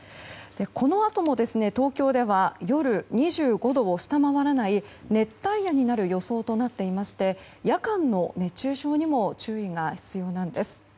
このあとも東京では夜、２５度を下回らない熱帯夜になる予想となっていまして夜間の熱中症にも注意が必要なんです。